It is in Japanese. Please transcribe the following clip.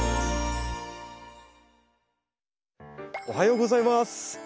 おはようございます。